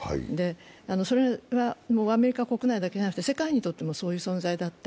それはアメリカ国内だけじゃなくて、世界にとってもそういう存在だった。